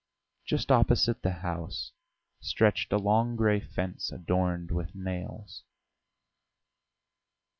Just opposite the house stretched a long grey fence adorned with nails.